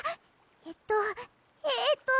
えっとえっと